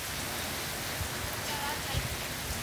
ماشوم په خپل قد باندې ډېر ویاړ کاوه.